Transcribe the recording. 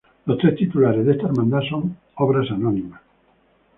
Los tres titulares de esta Hermandad son obras anónimas.